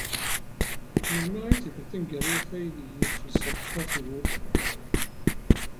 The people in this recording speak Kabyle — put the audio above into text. Melmi ay d tikkelt taneggarut aydeg txellṣeḍ tafgurt?